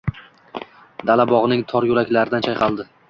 Dala bog‘ning tor yo‘laklaridan chayqaldi.